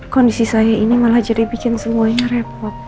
kondisi saya ini malah jadi bikin semuanya repot